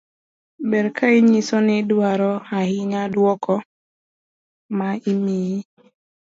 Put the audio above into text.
ber ka inyiso ni idwaro ahinya duoko ma imiyi